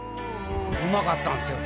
うまかったんですよ